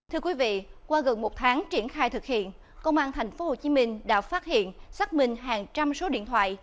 thưa quý vị qua gần một tháng triển khai thực hiện công an tp hcm đã phát hiện xác minh hàng trăm số điện thoại